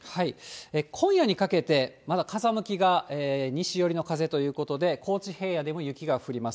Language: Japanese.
今夜にかけて、まだ風向きが西寄りの風ということで、高知平野でも雪が降ります。